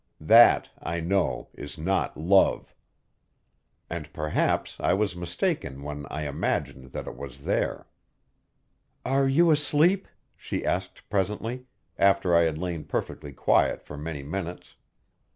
That, I know, is not love; and perhaps I was mistaken when I imagined that it was there. "Are you asleep?" she asked presently, after I had lain perfectly quiet for many minutes.